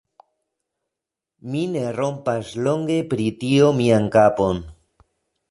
Mi ne rompas longe pri tio mian kapon.